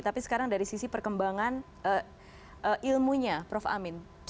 tapi sekarang dari sisi perkembangan ilmunya prof amin